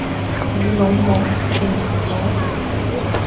起腦霧記唔到